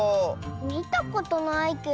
みたことないけど。